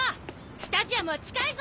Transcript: スタジアムは近いぞ！